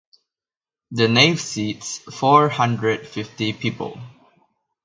The nave seats four hundred fifty people.